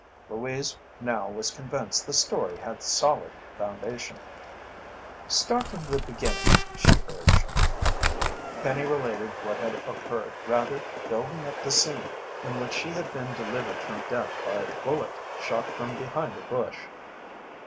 Louise now was convinced the story had solid foundation. "Start from the beginning," she urged. Penny related what had occurred, rather building up the scene in which she had been delivered from death by the bullet shot from behind a bush.